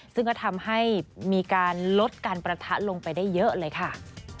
ซึ่งก็ทำให้มีการลดการประทะลงไปได้เยอะเลยค่ะ